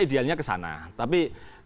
idealnya kesana tapi